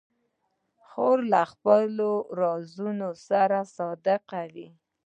خور له خپلو رازونو سره صادقه ده.